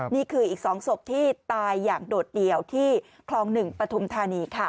นี่คืออีก๒ศพที่ตายอย่างโดดเดี่ยวที่คลอง๑ปฐุมธานีค่ะ